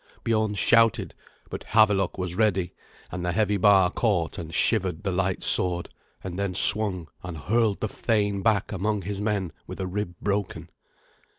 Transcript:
Biorn shouted; but Havelok was ready, and the heavy bar caught and shivered the light sword, and then swung and hurled the thane back among his men with a rib broken.